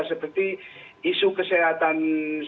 seperti isu kesehatan sosial